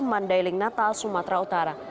mandailing natal sumatera utara